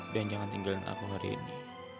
dan jangan tinggalin aku hari ini